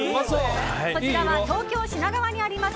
こちらは東京・品川にあります